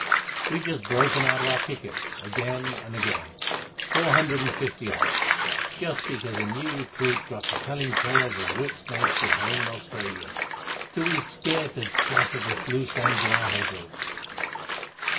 We've broken out of our pickets, again and again, four hundred and fifty of us, just because a new recruit got to telling tales of whip snakes at home in Australia till we were scared to death of the loose ends of our head ropes."